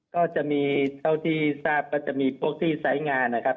ก็จะมีเท่าที่ทราบก็จะมีพวกที่ไซส์งานนะครับ